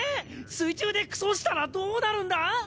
水中でクソしたらどうなるんだ？